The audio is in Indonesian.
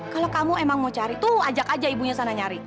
kalau kamu emang mau cari tuh ajak aja ibunya sana nyari